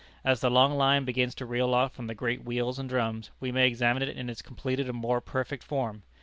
As the long line begins to reel off from the great wheels and drums, we may examine it in its completed and more perfect form.